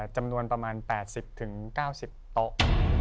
จำนวนประมาณ๘๐๙๐โต๊ะ